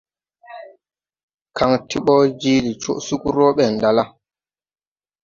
Kaŋ ti ɓɔ jiili coʼ sug rɔɔ ɓɛn ɗala.